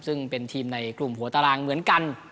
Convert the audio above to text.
ซึ่งเป็นทีมในกลุ่มหัวตารางเหมือนกัน